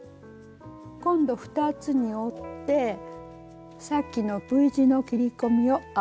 今度２つに折ってさっきのＶ字の切り込みを合わせてしっかり。